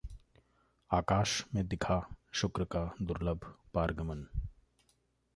आकाश में दिखा शुक्र का दुर्लभ पारगमन